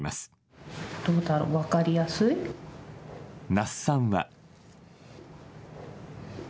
那須さんは。